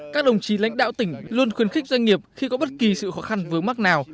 các đồng chí lãnh đạo tỉnh luôn khuyến khích doanh nghiệp khi có bất kỳ sự khó khăn vướng mắc nào